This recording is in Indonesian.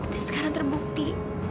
dan sekarang terbukti